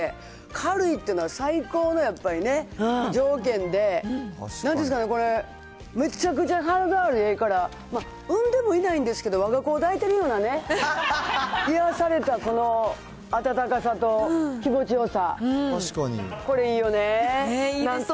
軽いっていうのは最高のやっぱりね、条件で、なんて言うんですかね、これ、めっちゃくちゃ肌触りええから、産んでもいないんですけど、わが子を抱いてるようなね、癒やされたこの暖かさと気持ちよさ。